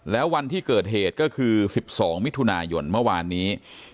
แล้ววันที่เกิดเหตุก็คือ๑๒มิถุนายนเมื่อวานนี้